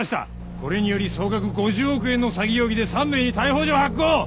これにより総額５０億円の詐欺容疑で３名に逮捕状発行。